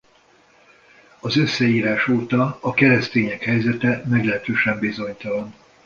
Az összeírás óta a keresztények helyzete meglehetősen bizonytalan.